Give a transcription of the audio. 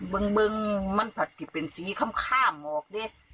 เบื้องมันผัดถึงเป็นสีค่ำออกดิ